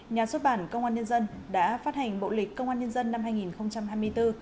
nhà xuất bản công an nhân dân đã phát hành bộ lịch công an nhân dân năm hai nghìn hai mươi bốn